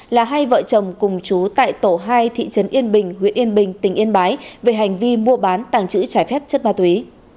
là hai vợ chồng cùng chú tại tổ hai thị trấn yên bình huyện yên bình tỉnh yên bái về hành vi mua bán tàng trữ trái phép chất ma túy